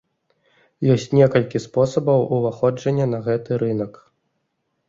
Ёсць некалькі спосабаў уваходжання на гэты рынак.